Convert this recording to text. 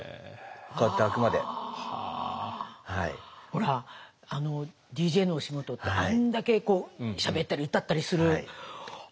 ほらＤＪのお仕事ってあんだけしゃべったり歌ったりする。